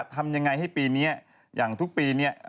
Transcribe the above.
ทำยังไงให้ปีนี้อย่างทุกปีเนี่ย